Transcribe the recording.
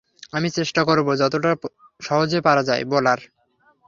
আমি চেষ্টা করব যতোটা সহজে পারা যায়, বলার।